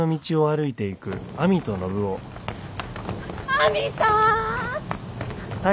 亜美さん！